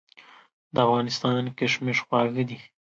د افغانستان کشمش خواږه دي.